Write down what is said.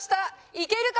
いけるか？